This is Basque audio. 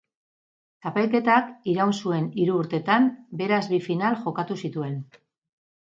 Txapelketak iraun zuen hiru urtetan beraz bi final jokatu zituen.